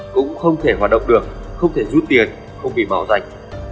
cũng không thể hoạt động được không thể rút tiền không bị màu rạch